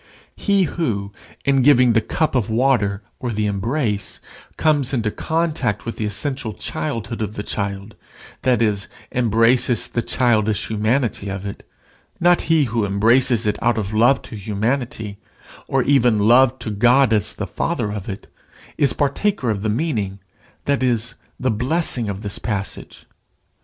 He who, in giving the cup of water or the embrace, comes into contact with the essential childhood of the child that is, embraces the childish humanity of it, (not he who embraces it out of love to humanity, or even love to God as the Father of it) is partaker of the meaning, that is, the blessing, of this passage.